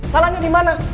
salahnya di mana